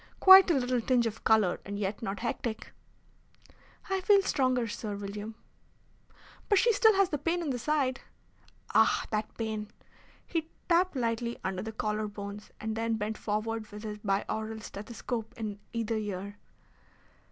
Quite a little tinge of colour, and yet not hectic." "I feel stronger, Sir William." "But she still has the pain in the side." "Ah, that pain!" He tapped lightly under the collar bones, and then bent forward with his biaural stethoscope in either ear.